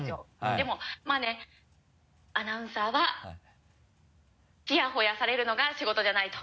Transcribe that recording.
でもまぁねアナウンサーはちやほやされるのが仕事じゃないと。